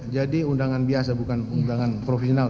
jadi undangan biasa bukan undangan profesional